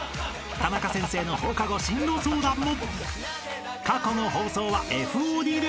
［タナカ先生の放課後進路相談も］